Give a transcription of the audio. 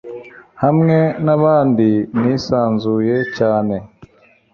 hamwe n'abandi nisanzuye cyane